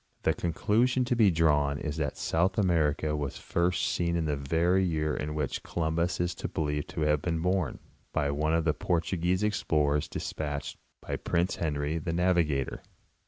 The conclusion to be drawn is that South America was first seen in the very year in which Columbus is believed to have been born, by one of the Portuguese explorers despatched by Prince Henry the Navigator.